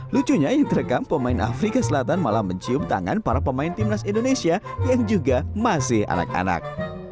lucunya yang terekam pemain afrika selatan malah mencium tangan para pemain timnas indonesia yang juga masih anak anak